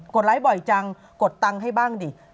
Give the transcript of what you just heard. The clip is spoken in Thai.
ไลค์บ่อยจังกดตังค์ให้บ้างดิ